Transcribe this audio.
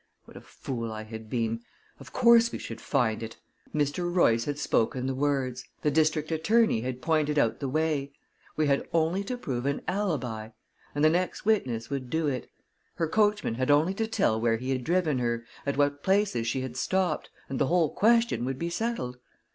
What a fool I had been! Of course, we should find it! Mr. Royce had spoken the words, the district attorney had pointed out the way. We had only to prove an alibi! And the next witness would do it. Her coachman had only to tell where he had driven her, at what places she had stopped, and the whole question would be settled.